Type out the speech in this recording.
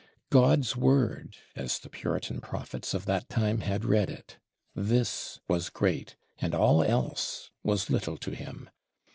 God's Word, as the Puritan prophets of that time had read it: this was great, and all else was little to him.